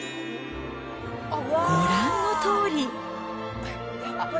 ご覧のとおり。